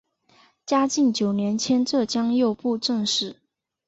嘉靖九年迁浙江右布政使。